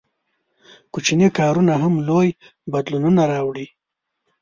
• کوچني کارونه هم لوی بدلونونه راوړي.